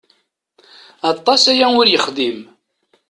Aṭas aya ur yexdim.